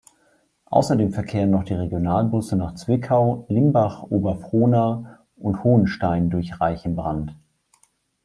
Außerdem verkehren noch die Regionalbusse nach Zwickau, Limbach-Oberfrohna und Hohenstein durch Reichenbrand.